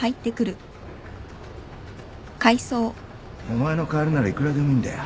お前の代わりならいくらでもいるんだよ